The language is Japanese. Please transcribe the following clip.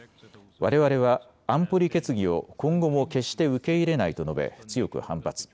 われわれは安保理決議を今後も決して受け入れないと述べ強く反発。